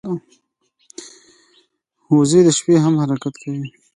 وزې د شپې هم حرکت کوي